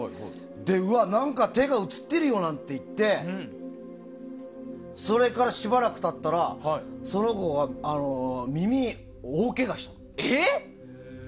うわっ、何か手が写ってるよなんて言ってそれからしばらく経ったらその子が耳に大けがしたの。